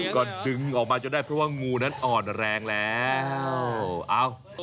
ก็ดึงออกมาจนได้เพราะว่างูนั้นอ่อนแรงแล้ว